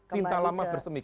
cinta lama bersemi semi